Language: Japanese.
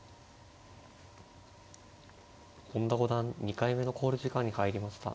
本田五段２回目の考慮時間に入りました。